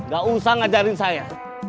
gak usah ngajarin saya